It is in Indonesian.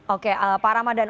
oke pak ramadhan